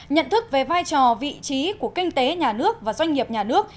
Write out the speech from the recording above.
nhận thức về vai trò vị trí của kinh tế nhà nước và doanh nghiệp nhà nước